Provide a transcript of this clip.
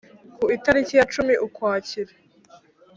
ku itariki ya cumi ukwakira